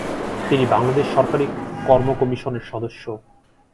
তিনি বাংলাদেশ সরকারি কর্ম কমিশনের সদস্য।